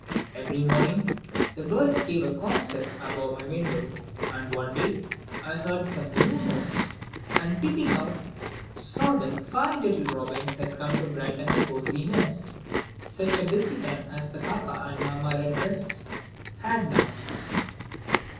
Every morning the birds gave a concert above my window, and one day I heard some new notes, and, peeping out, saw that five little robins had come to brighten the cozy nest. Such a busy time as the papa and mamma Redbreasts had now!